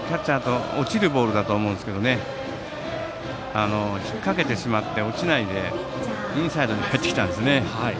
落ちるボールだと思いますが引っ掛けてしまって、落ちないでインサイドに入ってきたんですよね。